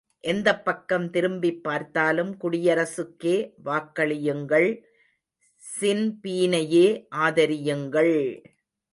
எந்தப் பக்கம் திரும்பிப் பார்த்தாலும், குடியரசுக்கே வாக்களியுங்கள் ஸின்பீனையே ஆதரியுங்கள்!